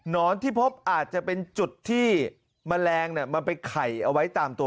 นอนที่พบอาจจะเป็นจุดที่แมลงมันไปไข่เอาไว้ตามตัว